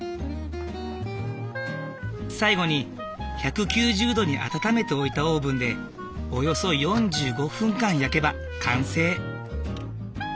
最後に１９０℃に温めておいたオーブンでおよそ４５分間焼けば完成！